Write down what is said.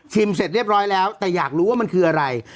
เสร็จเรียบร้อยแล้วแต่อยากรู้ว่ามันคืออะไร